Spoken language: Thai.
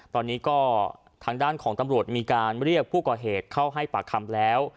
ตอนนี้ก็ทางด้านของตำรวจมีการเรียกผู้ก่อเหตุเข้าให้ปากคำแล้ว